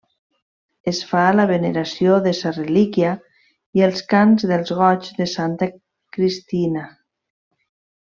Es fa la veneració de Sa Relíquia i els cants dels Goigs de Sant Cristina.